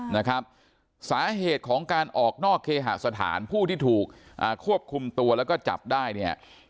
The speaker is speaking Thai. นะครับสาเหตุของการออกนอกเคหสถานผู้ที่ถูกอ่าควบคุมตัวแล้วก็จับได้เนี่ย